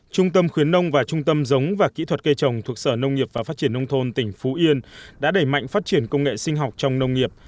trung tâm khuyến nông và trung tâm giống và kỹ thuật cây trồng thuộc sở nông nghiệp và phát triển nông thôn tỉnh phú yên đã đẩy mạnh phát triển công nghệ sinh học trong nông nghiệp